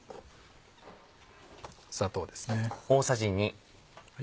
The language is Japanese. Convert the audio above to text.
砂糖です。